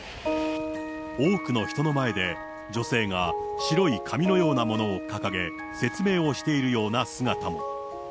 多くの人の前で女性が白い紙のようなものを掲げ説明をしているような姿も。